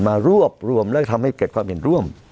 มารวบรวมและทำให้เกิดความเห็นร่วม